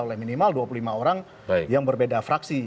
oleh minimal dua puluh lima orang yang berbeda fraksi